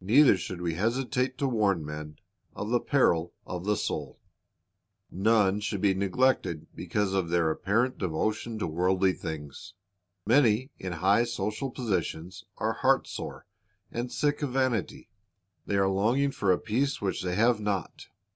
Neither should we hesitate to warn men of the peril of the soul. ' Matt. II : 28 30 ^' G o into the Highway s^^ 231 None should be neglected because of their apparent devotion to worldly things. Many in high social positions are heart sore, and sick of vanity. They are longing for a peace which they have not.